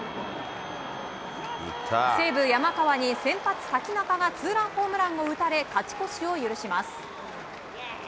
西武、山川に先発、瀧中がツーランホームランを打たれ勝ち越しを許します。